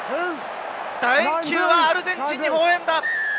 楕円球はアルゼンチンに微笑んだ！